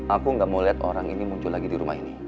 aku gak mau lihat orang ini muncul lagi di rumah ini